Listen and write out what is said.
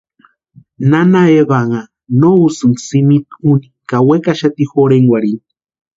Nana Evanha no úsïnti simitu úni ka wekaxati jorhenkwarhini.